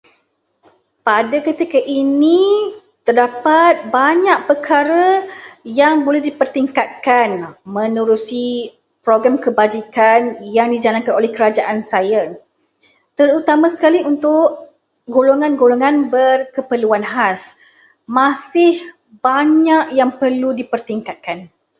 Pada ketika ini, terdapat banyak perkara yang boleh dipertingkatkan menerusi program kebajikan yang dijalankan oleh kerajaan saya. Terutama sekali untuk golongan-golongan berkeperluan khas. Masih banyak yang perlu dipertingkatkan.